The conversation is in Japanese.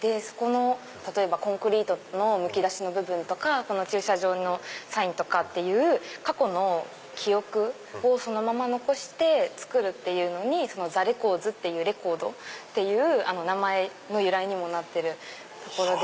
例えばコンクリートのむき出しの部分とかこの駐車場のサインとかっていう過去の記憶をそのまま残して作るっていうのにｔｈｅＲＥＣＯＲＤＳっていうレコードっていう名前の由来にもなってるところで。